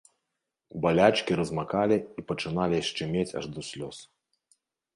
Балячкі размакалі і пачыналі шчымець аж да слёз.